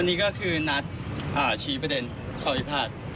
อันนี้ก็คือนัดชี้ประเด็นข้อพิพาท